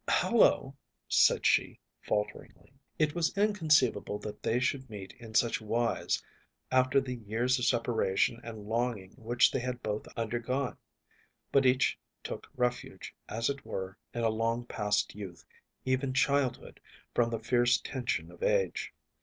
‚ÄúHullo,‚ÄĚ said she, falteringly. It was inconceivable that they should meet in such wise after the years of separation and longing which they had both undergone; but each took refuge, as it were, in a long past youth, even childhood, from the fierce tension of age.